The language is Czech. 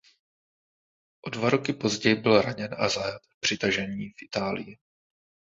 O dva roky později byl raněn a zajat při tažení v Itálii.